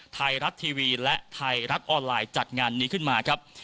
ไทยรัฐทีวีและไทยรัฐออนไลน์จัดงานนี้ขึ้นมาครับ